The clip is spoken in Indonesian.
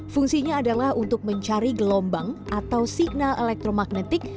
fungsinya adalah untuk mencari gelombang atau signal elektromagnetik